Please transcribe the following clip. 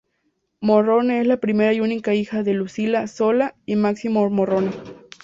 Morrone es la primera y única hija de Lucila Solá y Máximo Morrone.